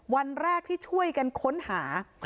วันแรกที่ช่วยกันค้นหา